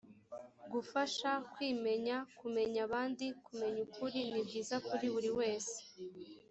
gufasha, kwimenya , kumenya abandi , kumenya ukuri ni byiza kuri buri wese.